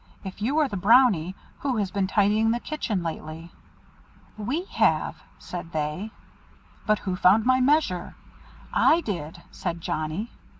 If you are the Brownie, who has been tidying the kitchen lately?" "We have," said they. "But who found my measure?" "I did," said Johnnie.